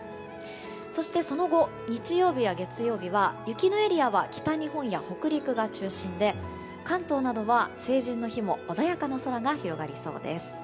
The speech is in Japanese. そしてその後、日曜日や月曜日は雪のエリアは北日本や北陸が中心で関東などは成人の日も穏やかな空が広がりそうです。